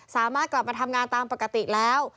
สามารถกลับมาทำงานตามปกติแล้ว